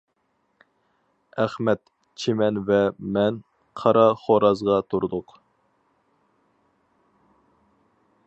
ئەخمەت، چىمەن ۋە مەن قارا خورازغا تۇردۇق.